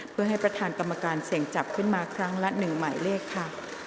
เพื่อให้ประธานกรรมการเสี่ยงจับขึ้นมาครั้งละ๑หมายเลขค่ะ